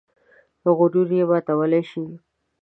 غرور یې ماتولی شي.